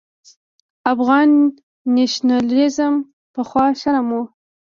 افغان نېشنلېزم پخوا شرم و.